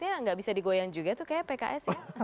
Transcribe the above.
maksudnya nggak bisa digoyang juga tuh kayak pks ya